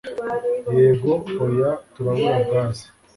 Yego oya Turabura gaze